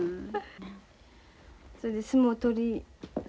それで相撲取り始め。